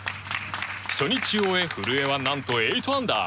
初日を終え古江は何と８アンダー。